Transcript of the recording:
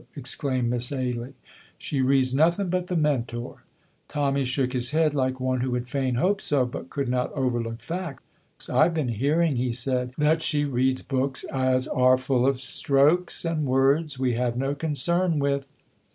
exclaimed Miss Ailie, "she reads nothing but the Mentor." Tommy shook his head, like one who would fain hope so, but could not overlook facts. "I've been hearing," he said, "that she reads books as are full o' Strokes and Words We have no Concern with."